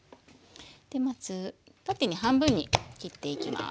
まず縦に半分に切っていきます。